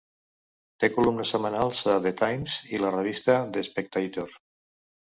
Té columnes setmanals a "The Times" i la revista "The Spectator".